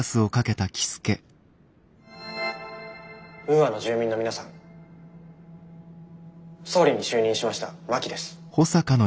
ウーアの住民の皆さん総理に就任しました真木です。